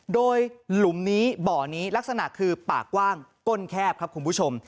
โดยหลุมนี้บ่อนี้ลักษณะคือปากกว้างก้นแคบครับคุณผู้ชม